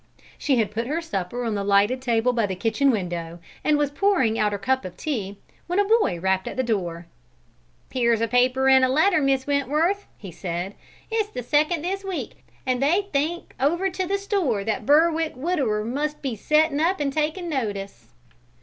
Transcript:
She had put her supper on the lighted table by the kitchen window and was pouring out her cup of tea, when a boy rapped at the door. "Here's a paper and a letter, Miss Wentworth," he said. "It's the second this week, and they think over to the store that that Berwick widower must be settin' up and takin' notice!"